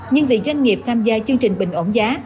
nhưng vì doanh nghiệp tham gia chương trình bình ổn giá